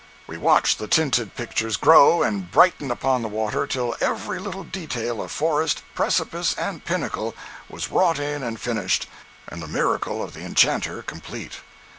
We watched the tinted pictures grow and brighten upon the water till every little detail of forest, precipice and pinnacle was wrought in and finished, and the miracle of the enchanter complete.